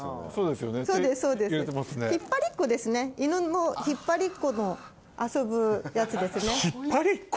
犬の引っ張りっこの遊ぶやつですね。